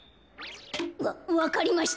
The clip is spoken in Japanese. わわかりまし